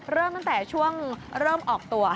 เริ่มตั้งแต่ช่วงเริ่มออกตัว